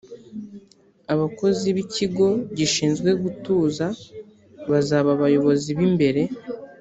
abakozi b’ikigo gishinzwe gutuza bazaba abayobozi b’imbere